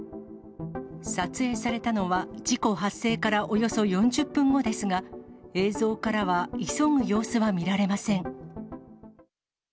撮影されたのは、事故発生からおよそ４０分後ですが、映像からは急ぐ様子は見られません。